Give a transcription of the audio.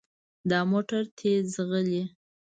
دا موټر تیز ځغلي.